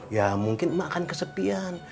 ya mungkin emak akan kesepian